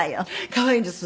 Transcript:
可愛いんです。